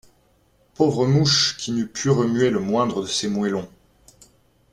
Pauvre mouche qui n’eût pu remuer le moindre de ses moellons!